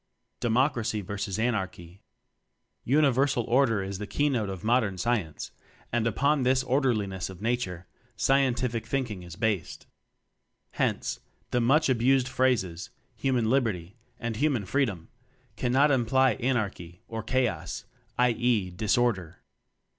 Democracy vs. Anarchy. Universal Order is the key note of modern Science; and upon this order liness of Nature scientific thinking is based. Hence, the much abused phrases "human liberty" and "hu man freedom" cannot imply anarchy or chaos, i. e. dis order.